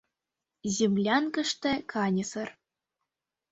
Землянкыште каньысыр.